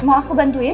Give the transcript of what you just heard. mau aku bantuin